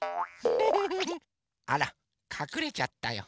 あらかくれちゃったよ。